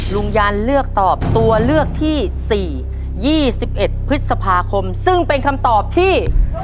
ลุงยานเลือกตอบตัวเลือกที่สี่ยี่สิบเอ็ดพฤษภาคมซึ่งเป็นคำตอบที่